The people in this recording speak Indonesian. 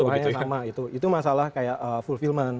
keluhannya sama itu masalah kayak fulfillment